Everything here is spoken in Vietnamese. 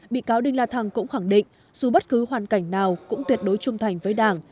bị cáo đinh la thăng cũng khẳng định dù bất cứ hoàn cảnh nào cũng tuyệt đối trung thành với đảng